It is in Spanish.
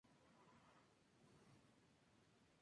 La ruta asignada al mismo será Copenhague-Beirut.